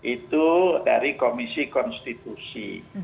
itu dari komisi konstitusi